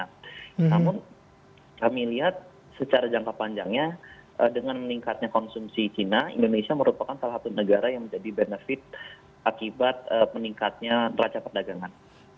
namun kami lihat secara jangka panjangnya dengan meningkatnya konsumsi china indonesia merupakan salah satu negara yang menjadi benefit akibat meningkatnya raca perdagangan